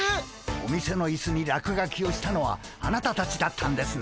お店のいすに落書きをしたのはあなたたちだったんですね。